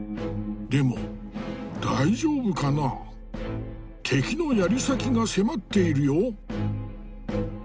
でも大丈夫かな敵のやり先が迫っているよ。